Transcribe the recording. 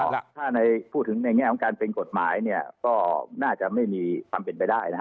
ถ้าพูดถึงในแง่ของการเป็นกฎหมายเนี่ยก็น่าจะไม่มีความเป็นไปได้นะฮะ